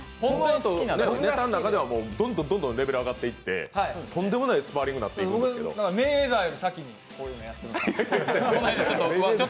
ネタの中ではどんどんレベルが上がっていってとんでもないスパーリングになっていくんでしょ。